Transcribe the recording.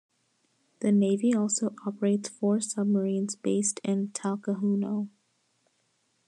The Navy also operates four submarines based in Talcahuano.